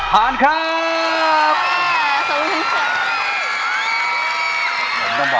พลุทธฤทธิ์